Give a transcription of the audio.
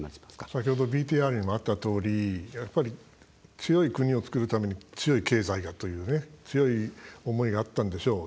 先ほどＶＴＲにもあったとおりやっぱり、強い国を作るために強い経済がという強い思いがあったんでしょう。